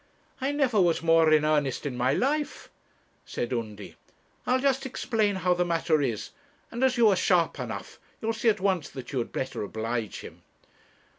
'I never was more in earnest in my life,' said Undy. 'I'll just explain how the matter is; and as you are sharp enough, you'll see at once that you had better oblige him.